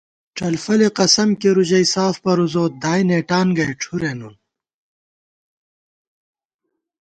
ڄلفلےقسم کېرُو ژَئی ساف پروزوت دائی نېٹانگئ ڄُھرےنُن